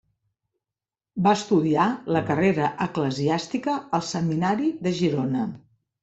Va estudiar la carrera eclesiàstica al Seminari de Girona.